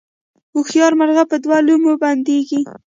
هوښیار مرغه په دوو لومو بندیږي